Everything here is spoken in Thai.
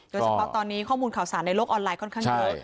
โดยเฉพาะตอนนี้ข้อมูลข่าวสารในโลกออนไลค่อนข้างเยอะ